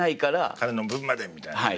彼の分までみたいなね。